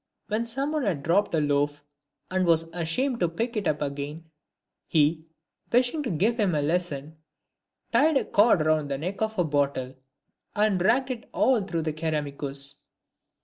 When some one had dropped a loaf, and was ashamed to pick it up again, he, wishing to give him a lesson, tied a cord round the neck of a bottle and dragged it all through the Ceramicus.